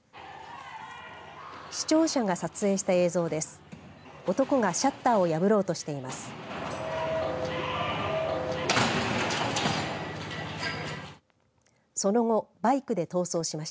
視聴者が撮影した映像です。